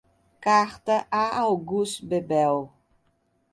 Carta a August Bebel